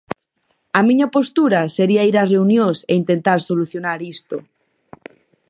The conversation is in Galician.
A miña postura sería ir ás reunións e intentar solucionar isto.